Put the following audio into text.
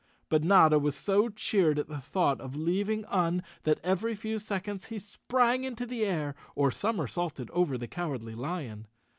But Notta was so cheered at the thought of leaving Un that every few seconds he sprang into the air or somersaulted over the Cow¬ ardly Lion.